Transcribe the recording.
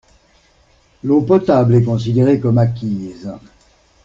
L'eau potable est considérée comme acquise.